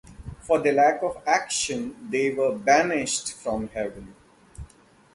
For their lack of action they were banished from heaven.